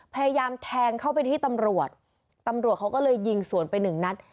พยายามแทงเข้าไปที่ตำรวจตำรวจเขาก็เลยยิงสวนไปหนึ่งนัด